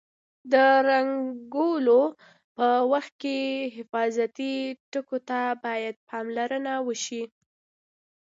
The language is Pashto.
د رنګولو په وخت کې حفاظتي ټکو ته باید پاملرنه وشي.